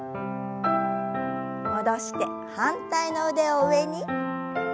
戻して反対の腕を上に。